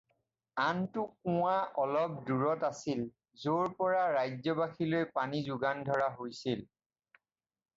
আনটো কুঁৱা অলপ দূৰত আছিল য'ৰ পৰা ৰাজ্যবাসীলৈ পানী যোগান ধৰা হৈছিল।